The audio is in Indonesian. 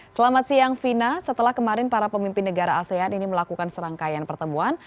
selamat siang vina setelah kemarin para pemimpin negara asean ini melakukan serangkaian pertemuan